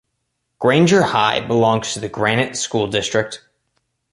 Granger High belongs to the Granite School District.